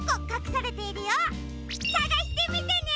さがしてみてね！